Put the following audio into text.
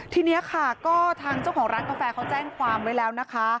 ทีนี้ค่ะก็ทางเจ้าของร้านกาแฟเขาแจ้งความไว้แล้วนะคะ